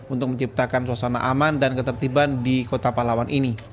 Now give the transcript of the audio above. untuk menciptakan suasana aman dan ketertiban di kota palawan ini